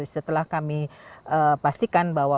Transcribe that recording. setelah kami pastikan bahwa